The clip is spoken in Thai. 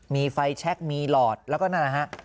มีไฟแชคมีหลอดแล้วก็นั่นนะฮะ